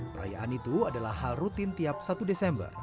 perayaan itu adalah hal rutin tiap satu desember